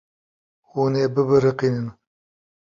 Hûn ê bibiriqînin.